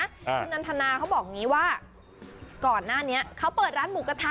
คุณนันทนาเขาบอกอย่างนี้ว่าก่อนหน้านี้เขาเปิดร้านหมูกระทะ